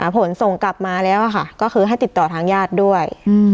ผลส่งกลับมาแล้วค่ะก็คือให้ติดต่อทางญาติด้วย